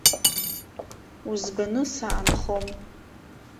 Узбаны саанхом!